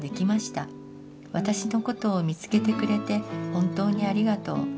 私のことを見つけてくれて本当にありがとう。